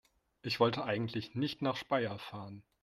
Ich wollte eigentlich nicht nach Speyer fahren